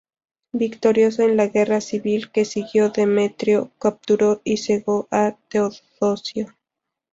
Victorioso en la guerra civil que siguió, Demetrio capturó y cegó a Teodosio.